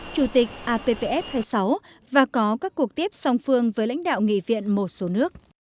chủ tịch ippf hai mươi sáu và có các cuộc tiếp song phương với lãnh đạo nghị viện một số nước